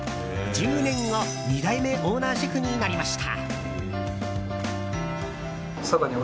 １０年後、２代目オーナーシェフになりました。